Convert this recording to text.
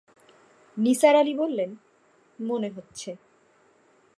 নিসার আলি বললেন, মনে হচ্ছে।